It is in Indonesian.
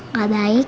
ternyata gak baik